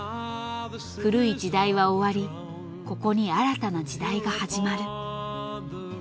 古い時代は終わりここに新たな時代が始まる。